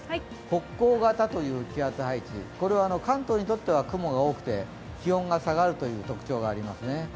北高型という気圧配置、これは関東にとっては雲が多くて気温が下がるという特徴がありますね。